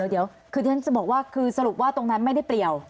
เดี๋ยวคือที่ฉันจะบอกว่าคือสรุปว่าตรงนั้นไม่ได้เปลี่ยว